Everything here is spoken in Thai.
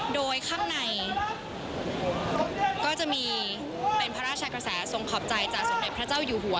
โดยข้างในก็จะมีเป็นพระราชกระแสทรงขอบใจจากสมเด็จพระเจ้าอยู่หัว